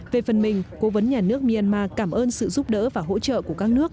về phần mình cố vấn nhà nước myanmar cảm ơn sự giúp đỡ và hỗ trợ của các nước